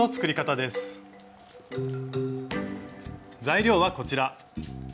材料はこちら。